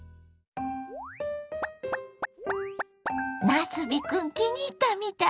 なすびクン気に入ったみたいね。